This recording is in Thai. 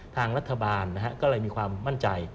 ทางรัฐบาลก็เลยมีความมั่นใจ